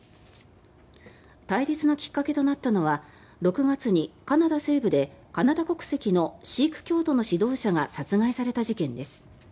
対立のきっかけとなったのは６月にカナダ西部でカナダ国籍のシーク教徒の指導者が殺害された事件です。